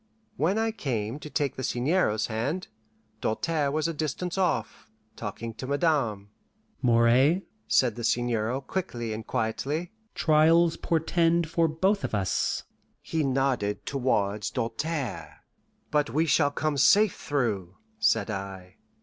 When I came to take the Seigneur's hand, Doltaire was a distance off, talking to Madame. "Moray," said the Seigneur quickly and quietly, "trials portend for both of us." He nodded towards Doltaire. "But we shall come safe through," said I.